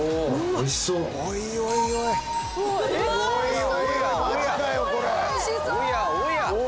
おやおや。